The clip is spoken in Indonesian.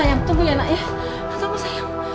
aduh untung nyonya udah pulang